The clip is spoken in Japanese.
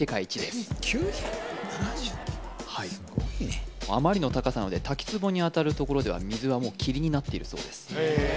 すごいねあまりの高さなので滝つぼに当たる所では水はもう霧になっているそうです・